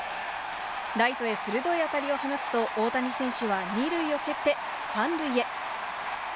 ライトへ鋭い当たりを放つと、大谷選手は２塁を蹴って３塁へ。